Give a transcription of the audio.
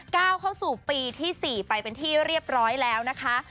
ก้าวเข้าสู่ปีที่๔ไปเป็นที่เรียบร้อยแล้วนะคะ